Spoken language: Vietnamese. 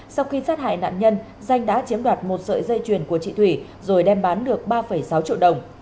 sau khi sát hại nạn nhân danh đã chiếm đoạt một sợi dây chuyền của chị thủy rồi đem bán được ba sáu triệu đồng